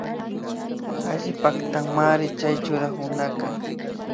Alli paktamanri chay churakunaka